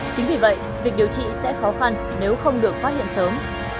chính vì vậy việc điều trị sẽ khó khăn nếu không được phát hiện sớm